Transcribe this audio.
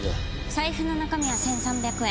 財布の中身は１３００円。